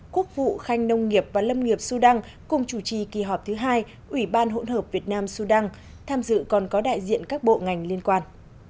quốc vụ khanh nông nghiệp và lâm nghiệp sudan cùng chủ trì kỳ họp thứ hai ủy ban hỗn hợp việt nam sudan tham dự còn có đại diện các bộ ngành liên quan